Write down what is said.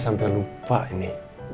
saya sampai lupa ini